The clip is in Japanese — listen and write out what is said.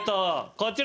こちら。